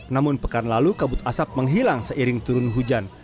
namun pekan lalu kabut asap menghilang seiring turun hujan